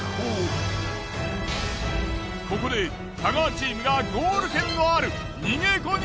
ここで太川チームがゴール権のある逃げ子に。